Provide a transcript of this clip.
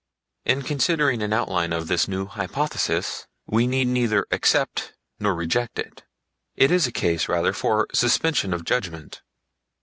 In considering an outline of this new hypothesis we need neither accept nor reject it; it is a case rather for suspension of judgment.